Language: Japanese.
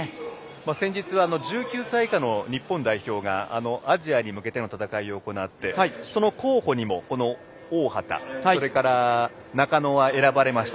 先日１９歳以下の日本代表がアジアに向けての戦いを行って、その候補にも大畑それから、中野は選ばれました。